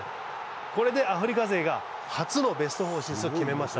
これでアフリカ勢が初のベスト４進出を決めました。